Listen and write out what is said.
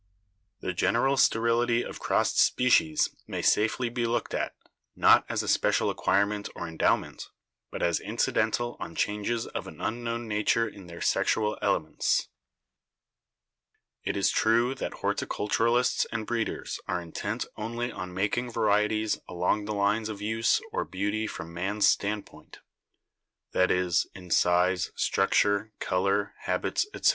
The general sterility of crossed species may safely be looked at, not as a special acquirement or endowment, but as incidental on changes of an unknown nature in their sexual elements." It is true that horticulturists and breeders are intent only on making varieties along the lines of use or beauty from man's standpoint — that is, in size, structure, color, habits, etc.